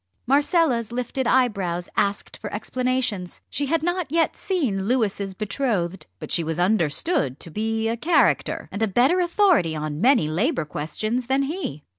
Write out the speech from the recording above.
Marcella's lifted eyebrows asked for explanations. She had not yet seen Louis's betrothed, but she was understood to be a character, and a better authority on many Labour questions than he.